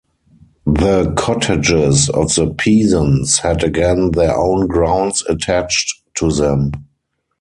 The cottages of the peasants had again their own grounds attached to them.